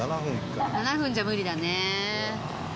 ７分じゃ無理だね。